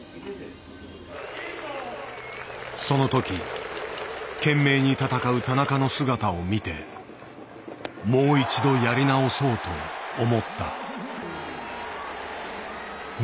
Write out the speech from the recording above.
そのとき懸命に戦う田中の姿を見て「もう一度やり直そう」と思った。